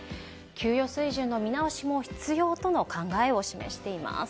給与水準の見直しも必要との考えを示しています。